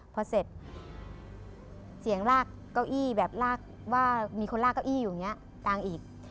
พอเสร็จเสียงลากเก้าอี้แบบลากว่ามีคนลากเก้าอี้อยู่อย่างนี้กลางอีก